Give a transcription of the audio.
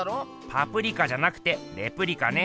パプリカじゃなくてレプリカね。